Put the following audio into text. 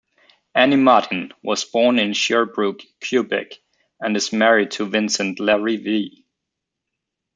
Annie Martin was born in Sherbrooke, Quebec, and is married to Vincent Larivee.